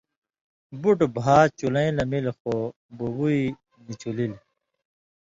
بُٹہۡ بھاں چُلَیں لمِل خو بُبوئ نی چولِلیۡ۔